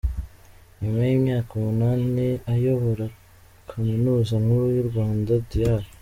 Nyuma y’imyaka umunani ayobora Kaminuza Nkuru y’u Rwanda, Dr.